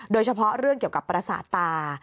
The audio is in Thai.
โดยเฉพาะเรื่องเกี่ยวกับประสาทตา